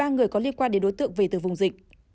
một mươi ba người có liên quan đến đối tượng về từ vùng dịch